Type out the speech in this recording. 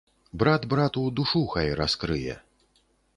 Брат брату душу хай раскрые.